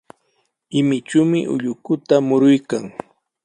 Imichumi ullukuta muruykan.